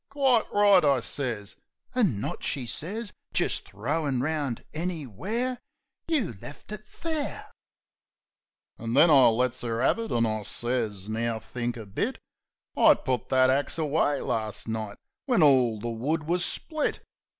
"Quite right," I sez. "An' not," she sez, "jist thrown round anywhere. You left it there I" An' then I lets 'er 'ave it, an' I sez, "Now, think a bit. I put that axe away last night when all the wood wus split."